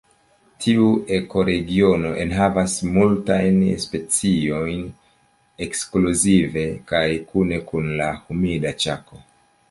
Tiu ekoregiono enhavas multajn speciojn ekskluzive kaj kune kun la Humida Ĉako.